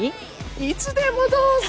いつでもどうぞ。